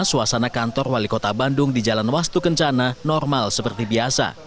suasana kantor wali kota bandung di jalan wastu kencana normal seperti biasa